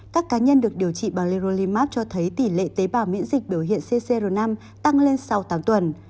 các cá nhân được điều trị bằng lerolimap cho thấy tỷ lệ tế bào miễn dịch biểu hiện ccr năm tăng lên sau tám tuần